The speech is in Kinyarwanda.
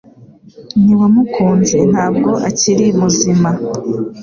Ntiwamukunze Ntabwo akiri muzima